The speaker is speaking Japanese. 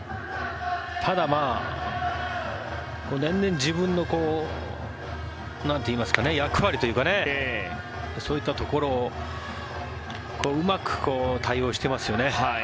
ただ、年々自分の役割というかそういったところをうまく対応してますよね。